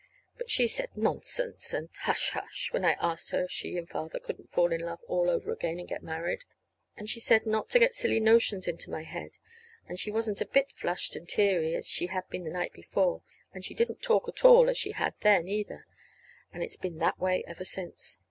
But she said, "Nonsense," and, "Hush, hush," when I asked her if she and Father couldn't fall in love all over again and get married. And she said not to get silly notions into my head. And she wasn't a bit flushed and teary, as she had been the night before, and she didn't talk at all as she had then, either. And it's been that way ever since.